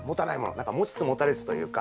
何か持ちつ持たれつというか。